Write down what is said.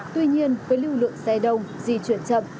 tuy nhiên với lưu lượng xe đông di chuyển chậm